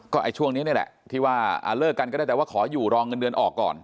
ช่วงนี้นี่แหละที่ว่าเลิกกันก็ได้แต่ว่าขออยู่รองเงินเดือนออกก่อน